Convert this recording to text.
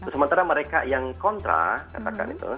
sementara mereka yang kontra katakan itu